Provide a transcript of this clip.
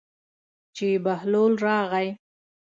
چې بهلول راغی.